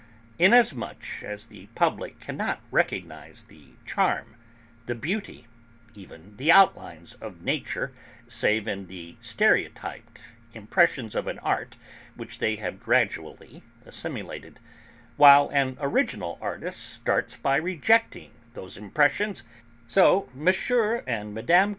Inasmuch as the public cannot recognise the charm, the beauty, even the outlines of nature save in the stereotyped impressions of an art which they have gradually assimilated, while an original artist starts by rejecting those impressions, so M. and Mme.